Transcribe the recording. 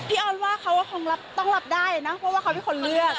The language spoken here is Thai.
พี่อ้อนว่าเขาต้องหลับได้นะเพราะว่าเขาเป็นคนเลือก